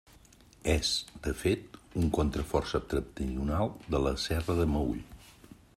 És, de fet, un contrafort septentrional de la Serra del Meüll.